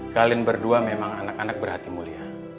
kalian berdua memang anak anak berhati mulia